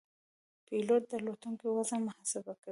پیلوټ د الوتکې وزن محاسبه کوي.